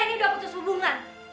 ini udah putus hubungan